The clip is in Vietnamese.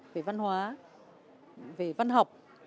về văn hóa về văn học